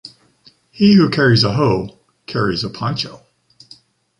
He who carries a hoe, carries a poncho.